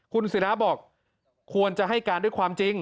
คุณศิราบอกควรจะให้การด้วยความจริง